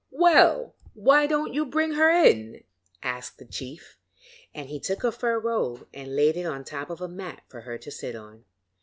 'Well, why don't you bring her in?' asked the chief, and he took a fur robe and laid it on top of a mat for her to sit on.